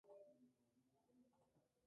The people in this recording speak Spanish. Menos código generado resulta en menos huella.